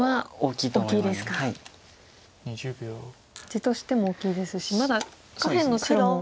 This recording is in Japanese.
地としても大きいですしまだ下辺の白も。